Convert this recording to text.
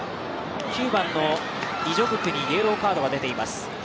９番のリ・ジョグクにイエローカードが出ています。